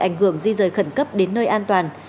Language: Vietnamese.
ảnh hưởng di rời khẩn cấp đến nơi an toàn